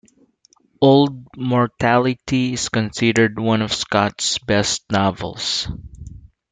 "Old Mortality" is considered one of Scott's best novels.